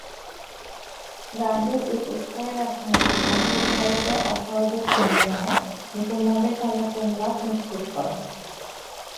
‘গান্ধীর উঁচুস্তরের রাজনৈতিক কৌশল’ ভারতে অসহযোগ আন্দোলনে মুসলমানদের সমর্থন লাভ নিশ্চিত করে।